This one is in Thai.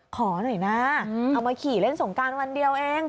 ขอหน่อยนะเอามาขี่เล่นสงการวันเดียวเอง